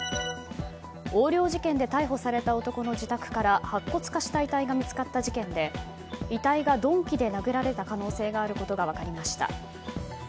横領事件で逮捕された男の自宅から白骨化した遺体が見つかった事件で遺体が鈍器で殴られた可能性があることが分かりました。